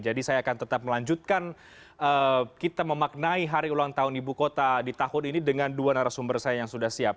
jadi saya akan tetap melanjutkan kita memaknai hari ulang tahun ibu kota di tahun ini dengan dua narasumber saya yang sudah siap